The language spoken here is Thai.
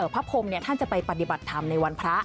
พระพรมท่านจะไปปฏิบัติธรรมในวันพระ